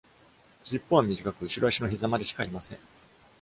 しっぽは短く、後ろ脚のひざまでしかありません。